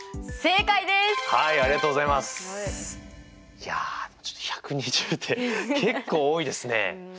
いやちょっと１２０って結構多いですね。